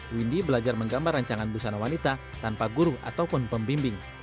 windy belajar menggambar rancangan busana wanita tanpa guru ataupun pembimbing